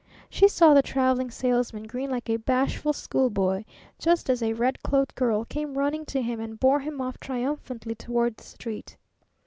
She saw the Traveling Salesman grin like a bashful school boy, just as a red cloaked girl came running to him and bore him off triumphantly toward the street.